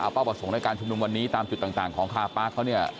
เป้าประสงค์ในการชุมนุมวันนี้ตามจุดต่างของคาปาร์คเขาเนี่ย